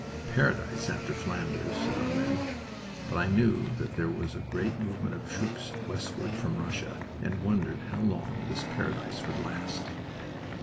"Paradise, after Flanders!" said our men, but I knew that there was a great movement of troops westward from Russia, and wondered how long this paradise would last.